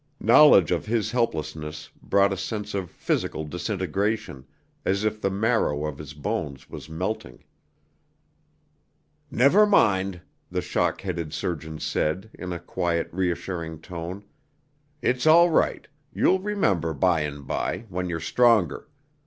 Knowledge of his helplessness brought a sense of physical disintegration, as if the marrow of his bones was melting. "Never mind!" the shock headed surgeon said, in a quiet, reassuring tone. "It's all right. You'll remember by and by, when you're stronger.